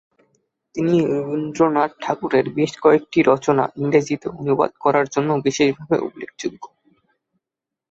তিনি রবীন্দ্রনাথ ঠাকুরের বেশ কয়েকটি রচনা ইংরেজিতে অনুবাদ করার জন্য বিশেষভাবে উল্লেখযোগ্য।